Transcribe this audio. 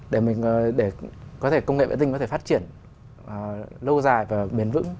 để công nghệ vệ tinh có thể phát triển lâu dài và bền vững